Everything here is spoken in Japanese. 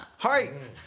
はい。